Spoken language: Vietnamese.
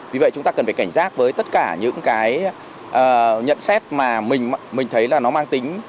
vì vậy chúng ta cần phải cảnh giác với tất cả những cái nhận xét mà mình thấy là nó mang tính